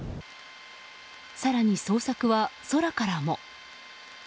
更に捜索は空からも。